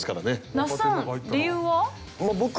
那須さん理由は？